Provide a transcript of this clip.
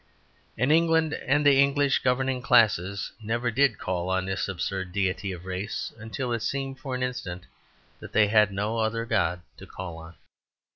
And England and the English governing class never did call on this absurd deity of race until it seemed, for an instant, that they had no other god to call on.